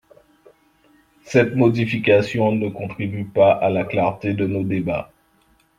Cette modification ne contribue pas à la clarté de nos débats.